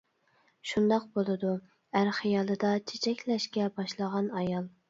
شۇنداق بولىدۇ ئەر خىيالىدا چېچەكلەشكە باشلىغان ئايال.